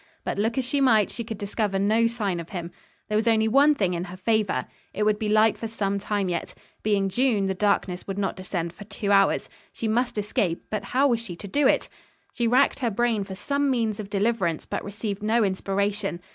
But look as she might, she could discover no sign of him. There was only one thing in her favor. It would be light for some time yet. Being June, the darkness would not descend for two hours. She must escape, but how was she to do it! She racked her brain for some means of deliverance, but received no inspiration.